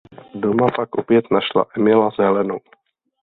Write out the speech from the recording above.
Doma pak opět našla Emila s Helenou.